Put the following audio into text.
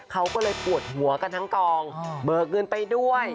เขาก็เลยปวดหัวกันทั้งกองเบิกเงินไปด้วย